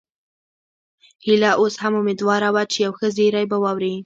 هيله اوس هم اميدواره وه چې یو ښه زیری به واوري